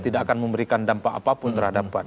tidak akan memberikan dampak apapun terhadap pan